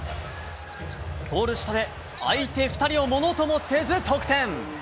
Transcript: ゴール下で相手２人をものともせず得点。